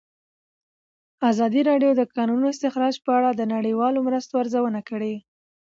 ازادي راډیو د د کانونو استخراج په اړه د نړیوالو مرستو ارزونه کړې.